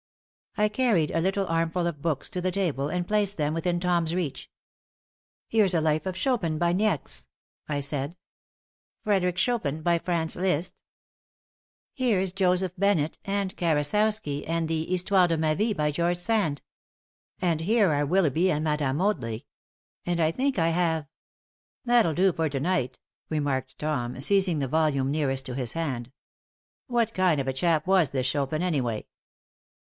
I carried a little armful of books to the table, and placed them within Tom's reach. "Here's a 'Life of Chopin,' by Niecks," I said. "'Frederic Chopin,' by Franz Liszt. Here's Joseph Bennett and Karasowski and the 'Histoire de ma Vie,' by George Sand. And here are Willeby and Mme. Audley. And I think I have " "That'll do for to night," remarked Tom, seizing the volume nearest to his hand. "What kind of a chap was this Chopin, anyway?"